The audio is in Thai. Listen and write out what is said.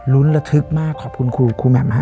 ระทึกมากขอบคุณครูแหม่มฮะ